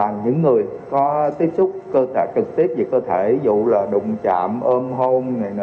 những người có tiếp xúc trực tiếp với cơ thể ví dụ là đụng chạm ôm hôn